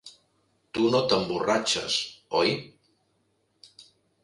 Tu no t'emborratxes, oi?